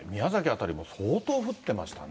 辺りも相当降ってましたね。